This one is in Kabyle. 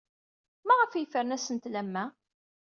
Maɣef ay yefren asentel am wa?